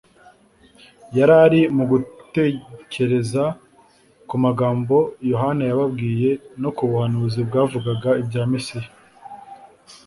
yari ari mu gutekereza ku magambo Yohana yababwiye no ku buhanuzi bwavugaga ibya Mesiya.